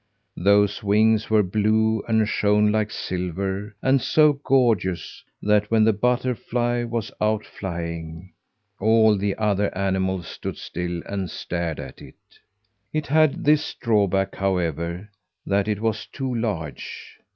Those wings were blue, and shone like silver, and so gorgeous that, when the butterfly was out flying, all the other animals stood still and stared at it. It had this drawback, however, that it was too large.